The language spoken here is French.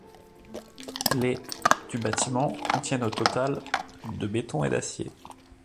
Les du bâtiment contiennent au total de béton et d'acier.